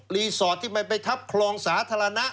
สอดที่มันไปทับคลองสาธารณะ